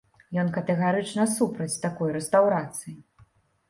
Ён катэгарычна супраць такой рэстаўрацыі.